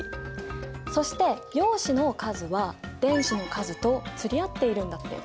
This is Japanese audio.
そして陽子の数は電子の数と釣り合っているんだったよね。